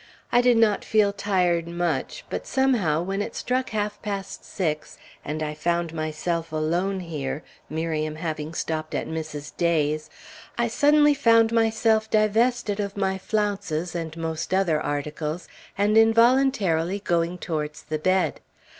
I did not feel tired much, but somehow, when it struck half past six, and I found myself alone here (Miriam having stopped at Mrs. Day's), I suddenly found myself divested of my flounces, and most other articles, and involuntarily going towards the bed.